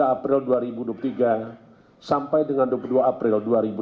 dua puluh april dua ribu dua puluh tiga sampai dengan dua puluh dua april dua ribu dua puluh